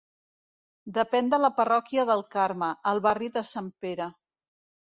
Depèn de la parròquia del Carme, al barri de Sant Pere.